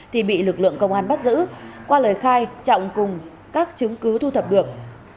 thì bị lực lượng công an bắt giữ qua lời khai trọng cùng các chứng cứ thu thập được